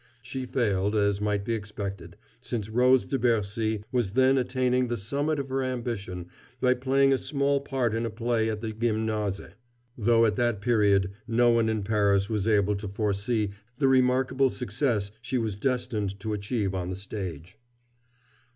She failed, as might be expected, since Rose de Bercy was then attaining the summit of her ambition by playing a small part in a play at the Gymnase, though at that period no one in Paris was able to foresee the remarkable success she was destined to achieve on the stage.